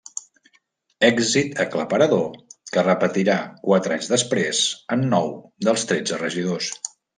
Èxit aclaparador que repetirà quatre anys després, amb nou dels tretze regidors.